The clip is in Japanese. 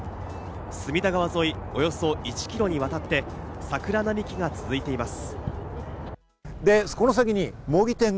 隅田川沿い、およそ１キロにわたって桜並木が続いています。